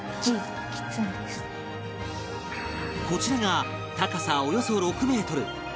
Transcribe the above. こちらが高さおよそ６メートル